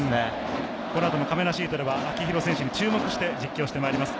このあともかめなシートでも秋広選手に注目して実況してまいります。